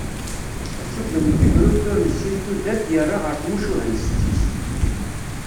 Asugen n tegrudt ur nessin tudert yerra ɣer tmucuha n setti-s.